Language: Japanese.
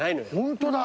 ホントだ。